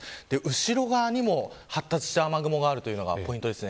後ろ側にも発達した雨雲があるというのがポイントです。